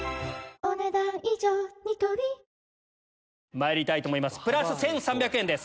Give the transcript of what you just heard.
まいりたいと思います